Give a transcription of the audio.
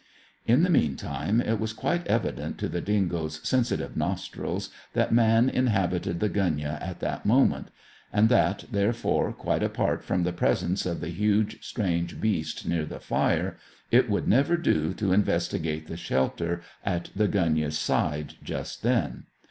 In the meantime, it was quite evident to the dingoes' sensitive nostrils that man inhabited the gunyah at that moment; and that, therefore, quite apart from the presence of the huge strange beast near the fire, it would never do to investigate the shelter at the gunyah's side just then.